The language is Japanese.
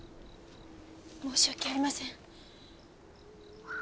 申し訳ありません。